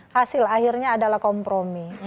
hasil akhirnya adalah kompromi